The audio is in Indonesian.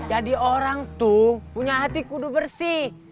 jadi orang tuh punya hati kudu bersih